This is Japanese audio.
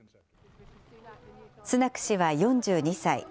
スナク氏は４２歳。